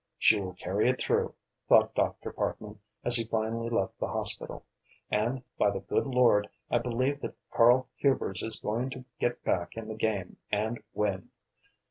"She will carry it through," thought Dr. Parkman, as he finally left the hospital. "And, by the good Lord, I believe that Karl Hubers is going to get back in the game and win!